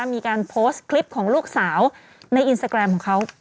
มีการโพสต์คลิปของลูกสาวในอินสตาแกรมของเขา